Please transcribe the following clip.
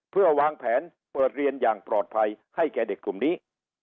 เพื่อวางแผนเปิดเรียนอย่างปลอดภัยให้แก่เด็กกลุ่มนี้